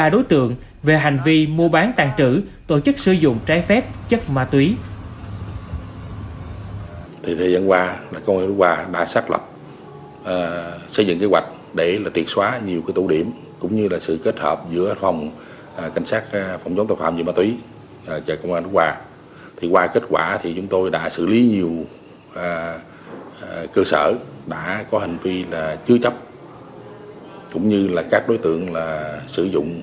ba đối tượng về hành vi mua bán tàn trữ tổ chức sử dụng trái phép chất ma túy